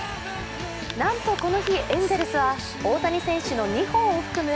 なんとこの日、エンゼルスは大谷選手の２本を含む